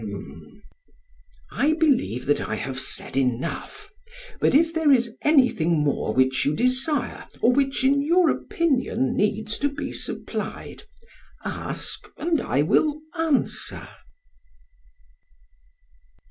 'I believe that I have said enough; but if there is anything more which you desire or which in your opinion needs to be supplied, ask and I will answer.'